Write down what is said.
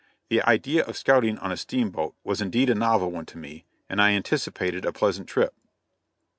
The idea of scouting on a steamboat was indeed a novel one to me, and I anticipated a pleasant trip.